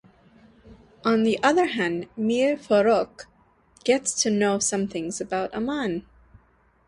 On the other hand Mir Farooq gets to know some things about Amaan.